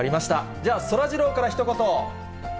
じゃあ、そらジローからひと言。